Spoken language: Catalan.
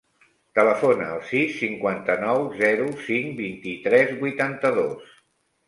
Telefona al sis, cinquanta-nou, zero, cinc, vint-i-tres, vuitanta-dos.